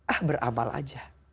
ah beramal aja